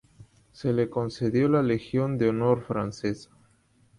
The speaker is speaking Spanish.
Se le concedió la Legión de Honor francesa.